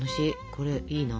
これいいな。